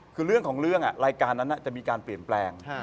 คือเรื่องของเรื่องรายการนั้นจะมีการเปลี่ยนแปลง